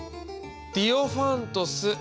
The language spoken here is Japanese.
ディオファントス